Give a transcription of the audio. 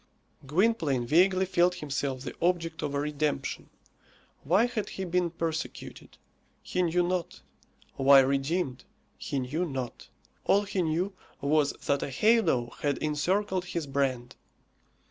Gwynplaine vaguely felt himself the object of a redemption. Why had he been persecuted? He knew not. Why redeemed? He knew not. All he knew was that a halo had encircled his brand.